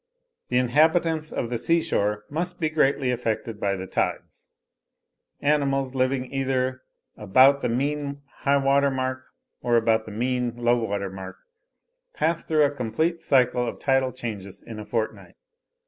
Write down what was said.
The inhabitants of the seashore must be greatly affected by the tides; animals living either about the MEAN high water mark, or about the MEAN low water mark, pass through a complete cycle of tidal changes in a fortnight.